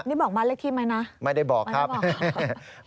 นี่บอกมาเล็กคลิปไหมนะไม่ได้บอกครับไม่ได้บอก